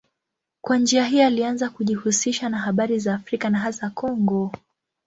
Kwa njia hii alianza kujihusisha na habari za Afrika na hasa Kongo.